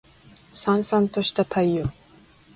燦燦とした太陽